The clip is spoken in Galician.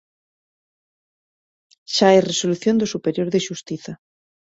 Xa hai resolución do superior de xustiza.